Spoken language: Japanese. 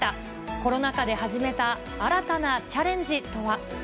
コロナ禍で始めた新たなチャレンジとは。